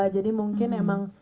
jadi mungkin emang